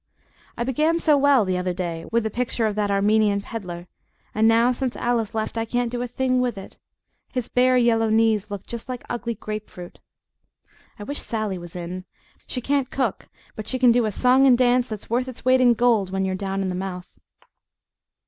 I began so well the other day with the picture of that Armenian peddler, and now since Alice left I can't do a thing with it; his bare yellow knees look just like ugly grape fruit. I wish Sally was in. She can't cook, but she can do a song and dance that's worth its weight in gold when you're down in the mouth.